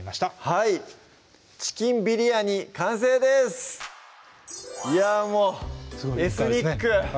はい「チキンビリヤニ」完成ですいやもうエスニック！